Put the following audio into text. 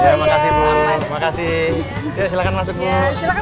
terima kasih silahkan masuknya